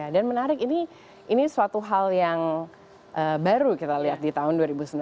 dan menarik ini suatu hal yang baru kita lihat di tahun dua ribu sembilan belas